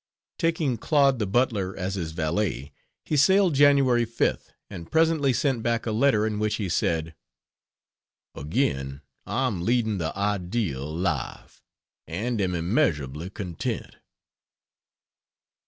Taking Claude, the butler, as his valet, he sailed January 5th, and presently sent back a letter in which he said, "Again I am leading the ideal life, and am immeasurably content."